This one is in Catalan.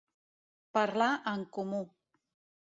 Parlar en comú.